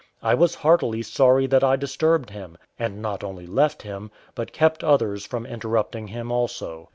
I was heartily sorry that I disturbed him, and not only left him, but kept others from interrupting him also.